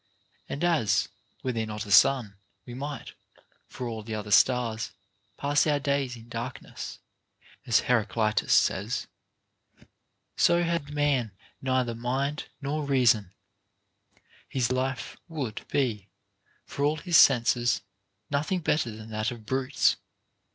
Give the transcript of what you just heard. And as, were there not a sun, we might, for all the other stars, pass our days in darkness (as Heraclitus says) ; so had man neither mind nor reason, his life would be, for all his senses, nothing better than that of brutes.